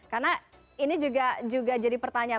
karena ini juga jadi pertanyaan